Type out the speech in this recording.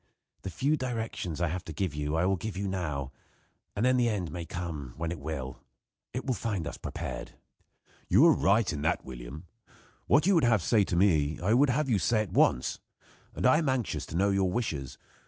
The few directions I have to give you I will give you now, and then the end may come when it will. It will find us prepared." "You are right in that, William. What you have to say to me I would have you say at once. And I am anxious to know your wishes.